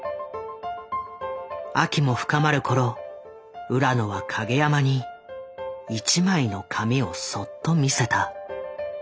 秋も深まる頃浦野は影山に一枚の紙をそっと見せた。